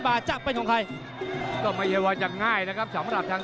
ดูมีพลิกเหลี่ยมหมุนออกทางหลัง